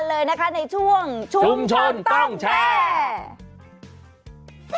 เลยนะคะในช่วงชุมชนต้องแชร์